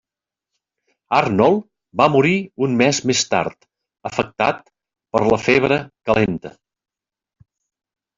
Arnold va morir un mes més tard, afectat per la febre calenta.